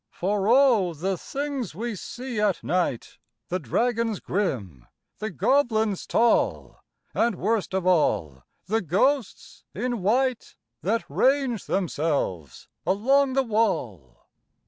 For O! the things we see at night The dragons grim, the goblins tall, And, worst of all, the ghosts in white That range themselves along the wall!